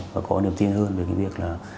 và có niềm tin hơn về việc